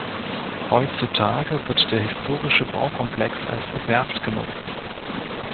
Heutzutage wird der historische Baukomplex als Werft genutzt.